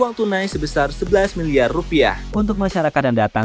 uang tunai sebesar sebelas miliar rupiah untuk masyarakat yang datang